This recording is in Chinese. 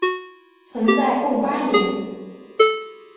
存在共八年。